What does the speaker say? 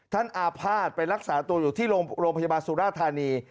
อาภาษณ์ไปรักษาตัวอยู่ที่โรงพยาบาลสุราธานี